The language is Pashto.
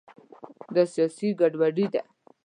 دا سیاسي ګډوډي ده.